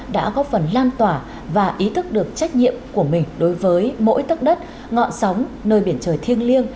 đã góp phần lan tỏa và ý thức được trách nhiệm của mình đối với mỗi tấc đất ngọn sóng nơi biển trời thiêng liêng